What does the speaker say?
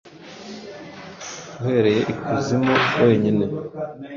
Uhereye ikuzimu wenyine.